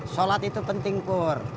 sholat itu penting pur